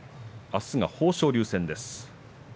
あすは豊昇龍戦です。